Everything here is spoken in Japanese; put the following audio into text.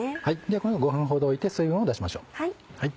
このように５分ほど置いて水分を出しましょう。